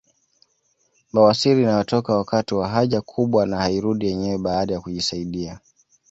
Bawasiri inayotoka wakati wa haja kubwa na hairudi yenyewe baada ya kujisaidia